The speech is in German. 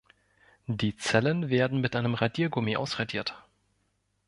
Die Zellen werden mit einem Radiergummi ausradiert.